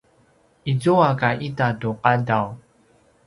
izua ka ita tu qadaw